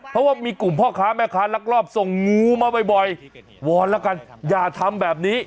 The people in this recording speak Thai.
เพราะว่ามีกลุ่มพ่อค้าแม่ค้าลักลอบส่งงูมาบ่อยวอนแล้วกันอย่าทำแบบนี้